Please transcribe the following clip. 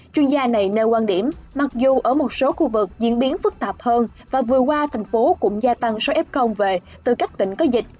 chuyên gia này nêu quan điểm mặc dù ở một số khu vực diễn biến phức tạp hơn và vừa qua thành phố cũng gia tăng số f về từ các tỉnh có dịch